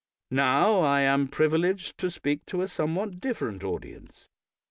Now I am privileged to speak to a some what different audience.